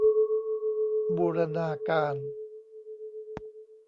บูรณาการ